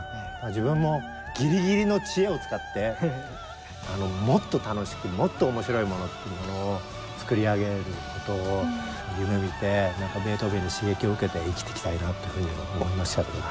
自分もぎりぎりの知恵を使ってあの「もっと楽しくもっと面白いもの」っていうものをつくり上げることを夢みてベートーベンに刺激を受けて生きていきたいなというふうには思いましたけど。